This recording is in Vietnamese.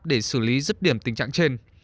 để xử lý rứt điểm tình trạng trên